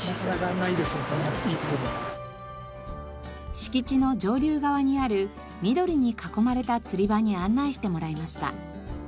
敷地の上流側にある緑に囲まれた釣り場に案内してもらいました。